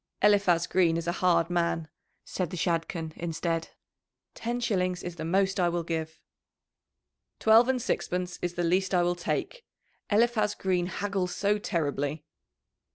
"Eliphaz Green is a hard man," said the Shadchan instead. "Ten shillings is the most I will give!" "Twelve and sixpence is the least I will take. Eliphaz Green haggles so terribly."